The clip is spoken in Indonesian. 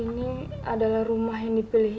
ini adalah rumah yang dipilih